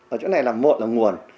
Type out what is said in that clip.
ở chỗ này là một là nguồn